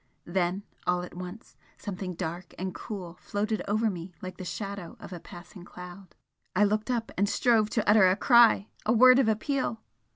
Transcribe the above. Then all at once something dark and cool floated over me like the shadow of a passing cloud I looked up and strove to utter a cry, a word of appeal!